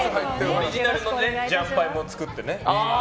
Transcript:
オリジナルのジャン牌も作ってね。